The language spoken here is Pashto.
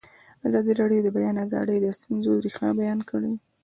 ازادي راډیو د د بیان آزادي د ستونزو رېښه بیان کړې.